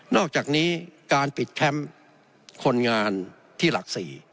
อกจากนี้การปิดแคมป์คนงานที่หลัก๔